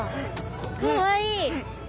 かわいい。